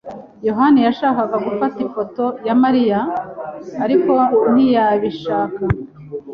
yohani yashakaga gufata ifoto ya Mariya, ariko ntiyabishaka.